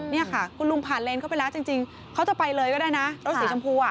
นี่ค่ะคุณลุงผ่านเลนเข้าไปแล้วจริงเขาจะไปเลยก็ได้นะรถสีชมพูอ่ะ